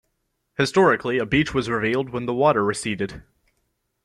Historically, a beach was revealed when the water receded.